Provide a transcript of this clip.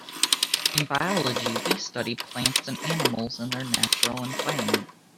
In biology we study plants and animals in their natural environment.